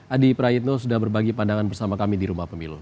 adi prayitno sudah berbagi pandangan bersama kami di rumah pemilu